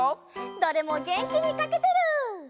どれもげんきにかけてる！